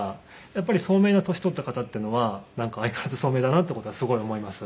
やっぱり聡明な年取った方っていうのは相変わらず聡明だなっていう事はすごい思います。